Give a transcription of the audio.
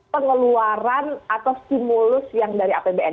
pengeluaran atau stimulus yang dari apbn